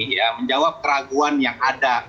ya menjawab keraguan yang ada